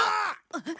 えっ？